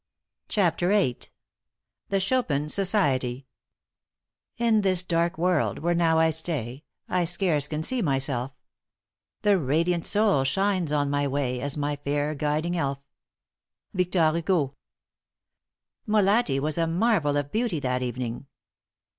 *CHAPTER VIII.* *THE CHOPIN SOCIETY.* In this dark world where now I stay, I scarce can see myself; The radiant soul shines on my way As my fair guiding elf. VICTOR HUGO. Molatti was a marvel of beauty that evening.